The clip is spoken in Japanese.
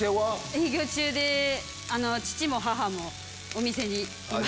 営業中で父も母もお店にいます。